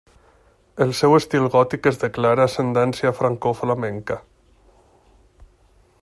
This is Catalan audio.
El seu estil gòtic és de clara ascendència francoflamenca.